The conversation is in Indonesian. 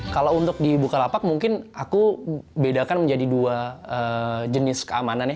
kalau untuk di bukalapak mungkin aku bedakan menjadi dua jenis keamanannya